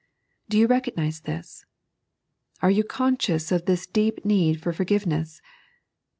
Do you recognise this ! Are you conscious of this deep need for forgiveness?